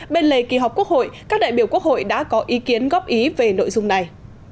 bên lề kỳ họp quốc hội các đại biểu quốc hội đã có ý kiến góp ý về nội dung này